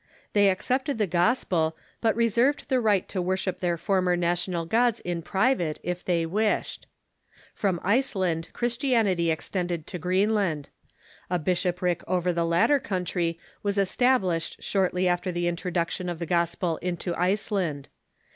They accepted the gospel, but reserved the right to wor ship their former national gods in private, if they wished. From Iceland Christianity extended to Greenland. A bishop ric over the lattei' country was established shortly after the introduction of the gospel into Iceland.